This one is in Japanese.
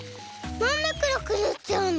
なんでくろくぬっちゃうの？